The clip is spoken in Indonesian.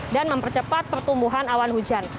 dan mempercepat pertumbuhan awan hujan